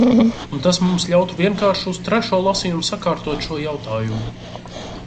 Un tas mums ļautu vienkārši uz trešo lasījumu sakārtot šo jautājumu.